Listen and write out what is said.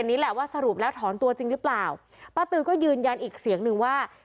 ต่างโมนิดานะคะ